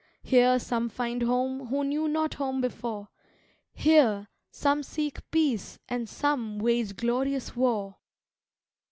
Here some find home who knew not home before; Here some seek peace and some wage glorious war.